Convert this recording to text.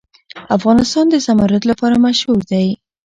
افغانستان د زمرد لپاره مشهور دی.